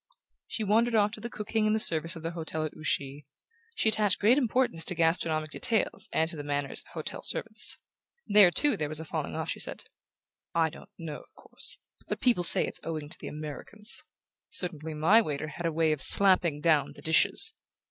She wandered off to the cooking and the service of the hotel at Ouchy. She attached great importance to gastronomic details and to the manners of hotel servants. There, too, there was a falling off, she said. "I don t know, of course; but people say it's owing to the Americans. Certainly my waiter had a way of slapping down the dishes